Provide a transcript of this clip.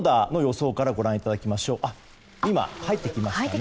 今、入ってきましたね。